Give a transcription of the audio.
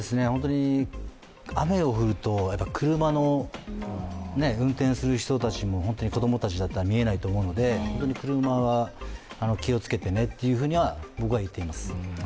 雨が降ると車の運転する人たちも、子供たちが見えないと思うので、本当に車は気をつけてねとは僕は言っています。